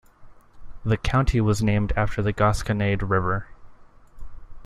The county was named after the Gasconade River.